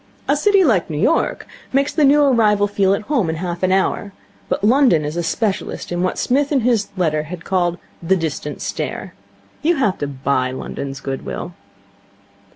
A city like New York makes the new arrival feel at home in half an hour; but London is a specialist in what Psmith in his letter had called the Distant Stare. You have to buy London's good will.